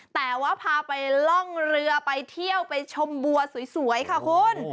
แต่ว่าพาไปล่องเรือไปเที่ยวไปชมบัวสวยค่ะคุณ